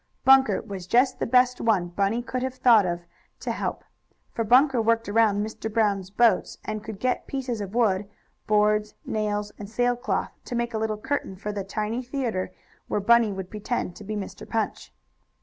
Bunker was just the best one Bunny could have thought of to help. For Bunker worked around Mr. Brown's boats, and could get pieces of wood, boards, nails and sail cloth, to make a little curtain for the tiny theatre where Bunny would pretend to be Mr. Punch.